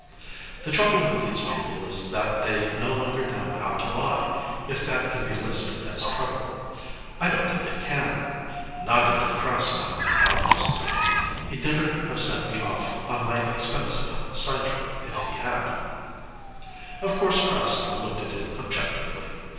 The trouble with these people is that they no longer know how to lie, if that can be listed as trouble. I don't think it can. Neither did Krasnow, obviously. He'd never have sent me off on my expensive side trip if he had. Of course, Krasnow looked at it objectively.